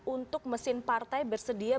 untuk mesin partai bersedia